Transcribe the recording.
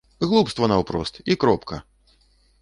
Глупства наўпрост, і кропка!